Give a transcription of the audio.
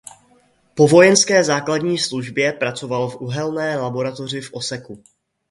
Po vojenské základní službě pracoval v uhelné laboratoři v Oseku.